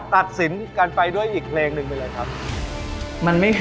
ตัดสินกันไปด้วยอีกเพลงหนึ่งไปเลยครับ